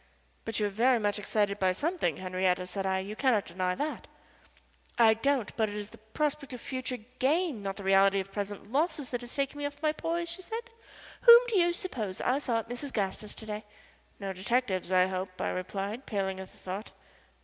"But you are very much excited by something, Henriette," said I. "You cannot deny that." "I don't but it is the prospect of future gain, not the reality of present losses, that has taken me off my poise," she said. "Whom do you suppose I saw at Mrs. Gaster's to day?" "No detectives, I hope," I replied, paling at the thought.